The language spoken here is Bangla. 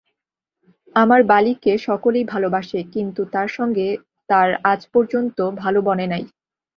আমার বালিকে সকলেই ভালোবাসে, কিন্তু তাঁর সঙ্গে তার আজ পর্যন্ত ভালো বনে নাই।